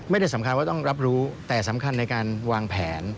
สำคัญว่าต้องรับรู้แต่สำคัญในการวางแผน